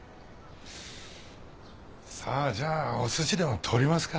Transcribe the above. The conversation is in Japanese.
さあじゃあおすしでも取りますか。